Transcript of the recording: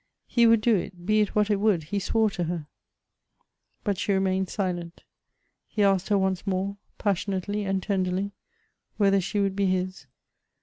He would do it, be it what it would, he swore to her; but she remained silent. He asked her once more, passionately and ten derly, whether she would be his.